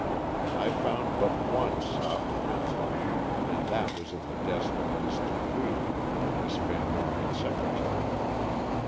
I found but one soft pencil, and that was in the desk of Miss Dupuy, Miss Van Norman's secretary.